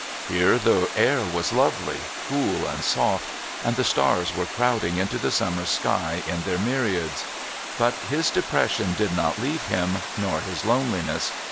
Here the air was lovely, cool and soft, and the stars were crowding into the summer sky in their myriads. But his depression did not leave him, nor his loneliness.